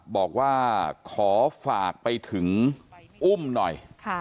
บอกว่าขอฝากไปถึงอุ้มหน่อย